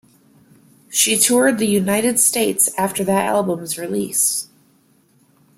She toured the United States after that album's release.